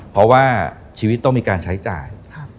เพราะว่าชีวิตต้องมีการใช้จ่าย